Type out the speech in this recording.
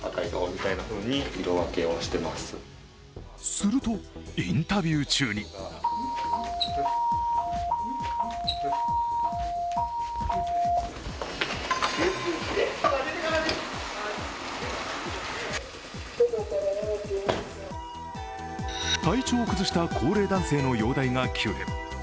すると、インタビュー中に体調を崩した高齢男性の容体が急変。